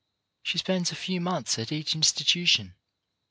She spends a few months at each in stitution.